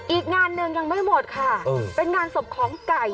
อีกงานหนึ่งยังไม่หมดค่ะเป็นงานศพของไก่